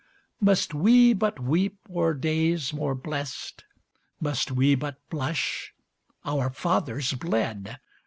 Must we but weep o'er days more blest? Must we but blush? Our fathers bled.